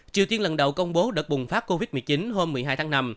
triều tiên lần đầu công bố đợt bùng phát covid một mươi chín hôm một mươi hai tháng năm